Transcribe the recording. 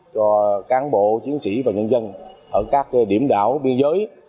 cho cán bộ chiến sĩ và nhân dân ở các điểm đảo biên giới